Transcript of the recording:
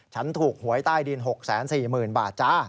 ฉันถูกหวยใต้ดิน๖แสน๔หมื่นบาทจ้า